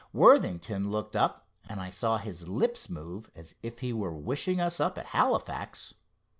Worthington looked up, and I saw his lips move as if he were wishing us up at Halifax.